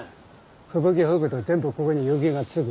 吹雪吹くと全部ここに雪が付く。